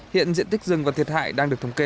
hiện diện tích rừng và thiệt hại đang được thống kê